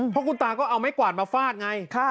เพราะคุณตาก็เอาไม้กวาดมาฟาดไง